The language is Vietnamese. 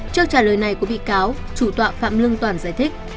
trước trả lời này của bị cáo chủ tọa phạm lương toàn giải thích